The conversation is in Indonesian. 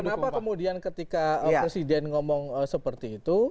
kenapa kemudian ketika presiden ngomong seperti itu